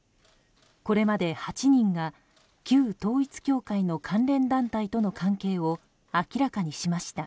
これまで８人が旧統一教会の関連団体との関係を明らかにしました。